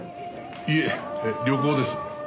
いえ旅行です。